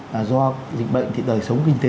là do dịch bệnh thì đời sống kinh tế